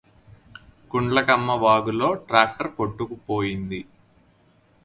గుండ్లకమ్మ వాగులో ట్రాక్టర్ కొట్టుకుపోయింది